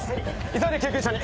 急いで救急車に！